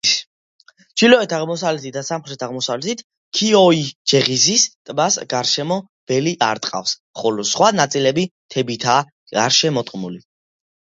ჩრდილო-აღმოსავლეთით და სამხრეთ-აღმოსავლეთით ქიოიჯეღიზის ტბას გარშემო ველი არტყავს, ხოლო სხვა ნაწილები მთებითაა გარშემორტყმული.